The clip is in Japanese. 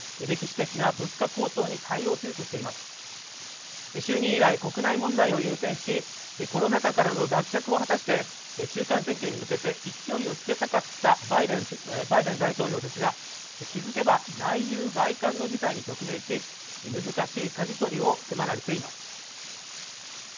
歴史的な物価高騰に対応するとしています就任以来国内問題を優先しコロナ禍からの脱却を果たして中間選挙に向けて勢いをつけたかったバイデン氏はバイデン大統領ですが気づけば内憂外患の事態に直面して難しい舵取りを迫られています